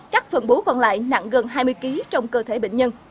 cắt phần bú còn lại nặng gần hai mươi kg trong cơ thể bệnh nhân